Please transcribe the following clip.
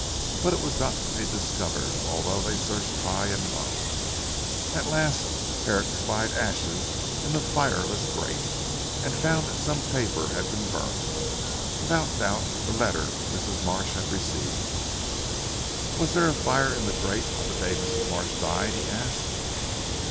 But it was not to be discovered although they searched high and low. At last, Herrick spied ashes in the fireless grate, and found that some paper had been burnt, without doubt the letter Mrs. Marsh had received. "Was there a fire in the grate on the day Mrs. Marsh died?" he asked.